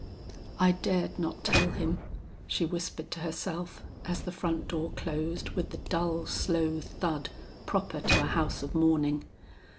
"I dared not tell him," she whispered to herself as the front door closed with the dull slow thud proper to a house of mourning.